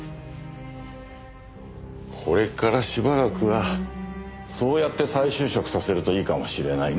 これからしばらくはそうやって再就職させるといいかもしれないね。